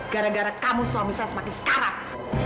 gara gara kamu suami saya semakin sekarang